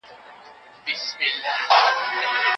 په ټولنیز چاپیریال کي به د مثبت بدلون لامل سئ.